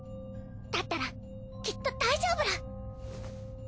だったらきっと大丈夫ら。